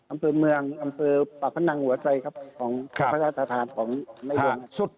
อำเภอเมืองอำเภอปราฟนังหัวใสครับของพระราชธานของในเรื่องนี้